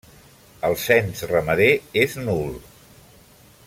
El cens ramader és nul.